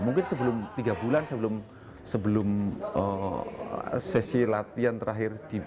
mungkin sebelum tiga bulan sebelum sesi latihan terakhir